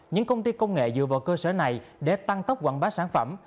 những công ty công nghệ dựa vào cơ sở này để tăng tốc quảng bá sản phẩm